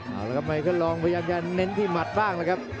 เอาละครับไมเคิลลองพยายามจะเน้นที่หมัดบ้างแล้วครับ